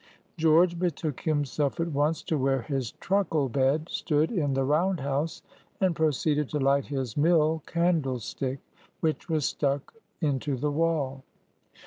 George betook himself at once to where his truckle bed stood in the round house, and proceeded to light his mill candlestick, which was stuck into the wall.